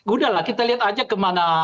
udah lah kita lihat aja kemana